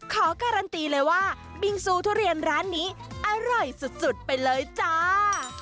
ขอการันตีเลยว่าบิงซูทุเรียนร้านนี้อร่อยสุดไปเลยจ้า